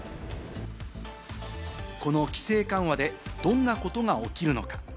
この規制緩和でどんなことが起きるのか。